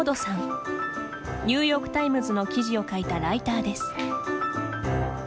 ニューヨーク・タイムズの記事を書いたライターです。